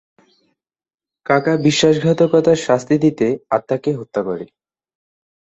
কাকা বিশ্বাসঘাতকতার শাস্তি দিতে আত্মাকে হত্যা করে।